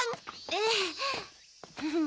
ええ。